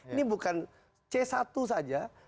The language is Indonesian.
ini bukan c satu saja